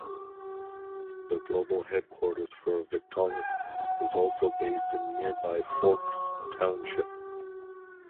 The global headquarters for Victaulic is also based in nearby Forks Township.